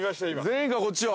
◆全員がこっちを。